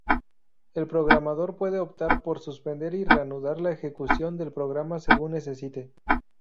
El programador puede optar por suspender y reanudar la ejecución del programa según necesite.